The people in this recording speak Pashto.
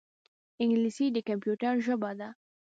انګلیسي د کمپیوټر ژبه ده